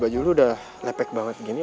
baju lo udah lepek banget gini